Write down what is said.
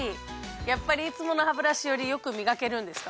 やっぱりいつものハブラシより良くみがけるんですか？